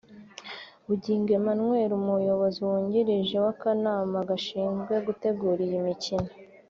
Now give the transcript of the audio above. Bugingo Emmanuel Umuyobozi Wungirije w’akanama gashinzwe gutegura iyi mikino